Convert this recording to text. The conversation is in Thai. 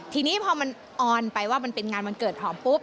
ทีนี้พอมันออนไปว่ามันเป็นงานวันเกิดหอมปุ๊บ